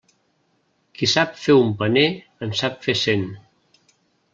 Qui sap fer un paner, en sap fer cent.